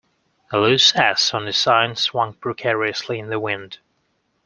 The loose S on the sign swung precariously in the wind.